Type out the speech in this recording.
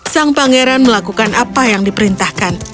sang pangeran melakukan apa yang diperintahkan